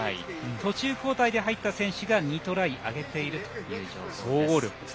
途中交代で入った選手が２トライを挙げている状況です。